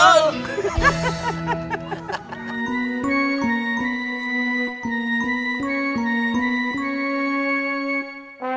kau mah enak banget